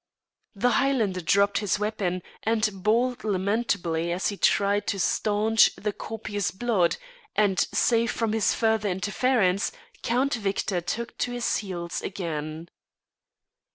The Highlander dropped his weapon and bawled lamentably as he tried to staunch the copious blood; and safe from his further interference, Count Victor took to his heels again.